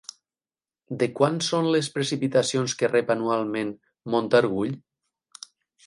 De quant són les precipitacions que rep anualment Montargull?